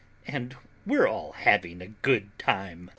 And we're all having a good time.